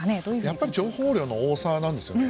やっぱり情報量の多さなんですよね。